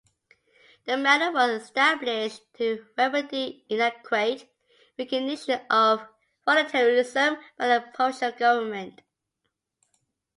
The medal was established to remedy inadequate recognition of volunteerism by the provincial government.